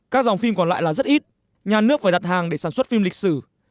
các dòng phim còn lại là rất ít nhà nước phải đặt hàng để sản xuất phim lịch sử